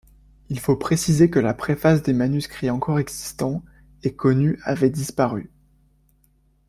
Il faut préciser que la préface des manuscrits encore existants et connus avait disparu.